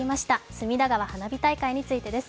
隅田川花火大会についてです。